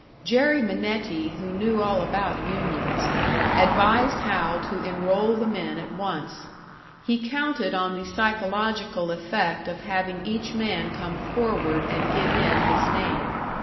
Jerry Minetti, who knew all about unions, advised Hal to enroll the men at once; he counted on the psychological effect of having each man come forward and give in his name.